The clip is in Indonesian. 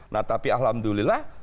nah tapi alhamdulillah